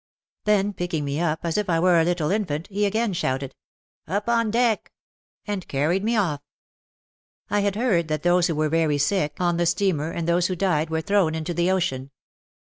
Then pick ing me up as if I were a little infant, he again shouted, "Up on deck !" and carried me off. I had heard that those who were very sick on the 6 4 OUT OF THE SHADOW steamer and those who died were thrown into the ocean.